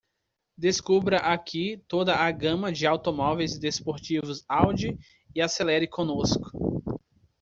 Descubra aqui toda a gama de automóveis desportivos Audi e acelere connosco.